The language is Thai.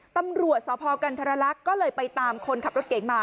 ตำรวจสพกันธรรลักษณ์ก็เลยไปตามคนขับรถเก๋งมา